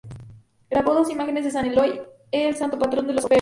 Grabó dos imágenes de San Eloy, el santo patrón de los orfebres.